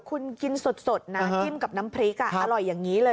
คุณกินสดนะจิ้มกับน้ำพริกอร่อยอย่างนี้เลย